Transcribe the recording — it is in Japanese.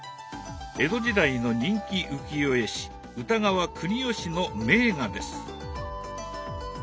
江戸時代の人気浮世絵師歌川国芳の名画です。